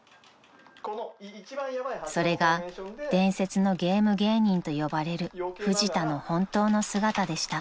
［それが伝説のゲーム芸人と呼ばれるフジタの本当の姿でした］